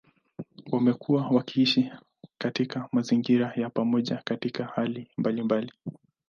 Wamekuwa wakiishi katika mazingira ya pamoja katika hali mbalimbali.